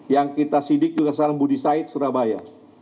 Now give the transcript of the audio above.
yang kita sidik juga sekarang budi said surabaya